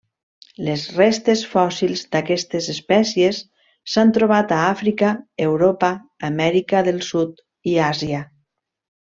Les restes fòssils d'aquestes espècies s'han trobat a Àfrica, Europa, Amèrica del sud i Àsia.